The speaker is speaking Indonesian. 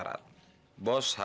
rumah itu kok indah kok